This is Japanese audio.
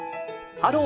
「ハロー！